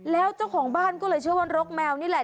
แล้วเจ้าของบ้านก็เลยเชื่อว่ารกแมวนี่แหละ